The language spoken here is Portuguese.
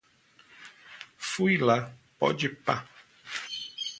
fui lá, pode pá